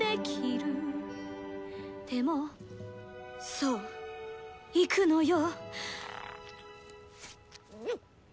「でもそう行くのよ」